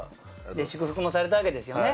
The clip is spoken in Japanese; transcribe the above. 祝福されたんですよね？